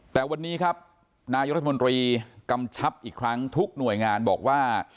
แต่วันนี้ครับนายรัฐมนตรีกำชับอีกครั้งทุกหน่วยงานบอกว่า